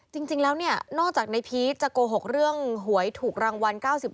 จริงแล้วเนี่ยนอกจากนายพีชจะโกหกเรื่องหวยถูกรางวัล๙๐ล้านบาทแล้ว